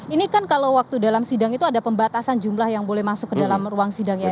ini kan kalau waktu dalam sidang itu ada pembatasan jumlah yang boleh masuk ke dalam ruang sidang ya